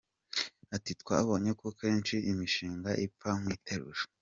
Ati “Twabonye ko kenshi imishinga ipfa mu iterura.